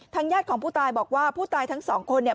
ญาติของผู้ตายบอกว่าผู้ตายทั้งสองคนเนี่ย